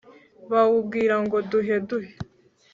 bawubwira ngo duhe, duhe